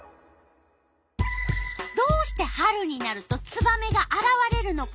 どうして春になるとツバメがあらわれるのか。